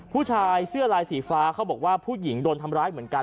ผู้ชายเสื้อลายสีฟ้าเขาบอกว่าผู้หญิงโดนทำร้ายเหมือนกัน